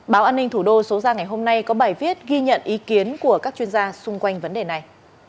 báo an ninh thủ đô số ra ngày hôm nay có bài viết ghi nhận ý kiến của các chuyên gia xung quanh vấn đề này